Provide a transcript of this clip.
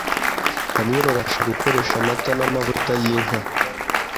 Bamwe babasha gukoresha amata namavuta yinka